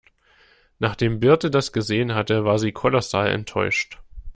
Nachdem Birte das gesehen hatte, war sie kolossal enttäuscht.